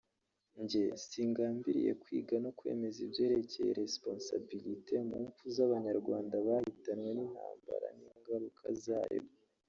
jye singambiriye kwiga no kwemeza ibyerekeye responsabilités mu mpfu z’abanyarwanda bahitanwe n’intambara n’Ingaruka zayo